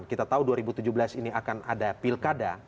kita tahu dua ribu tujuh belas ini akan ada pilkada